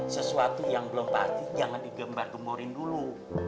sesuatu yang belum pasti jangan digembar gemorin dulu